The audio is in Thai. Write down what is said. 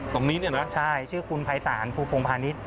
ตรงนี้เนี่ยนะใช่ชื่อคุณภัยศาลภูพงพาณิชย